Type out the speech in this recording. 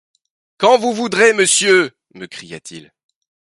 Quand vous voudrez, monsieur », me cria-t-il.